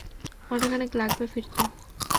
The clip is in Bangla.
ঘন্টাখানেক লাগবে ফিরতে।